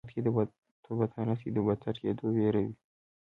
په بد حالت کې د بدتر کیدو ویره وي.